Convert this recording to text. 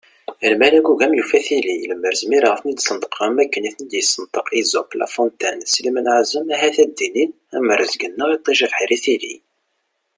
Lmal agugam yufa tili, lemmer zmireɣ ad ten-id-sneṭqeɣ am akken i ten-id-yessenṭeq Esope, La Fontaine d Slimane Ɛazem ahat ad d-inin : am rrezg-nneɣ iṭij, abeḥri, tili!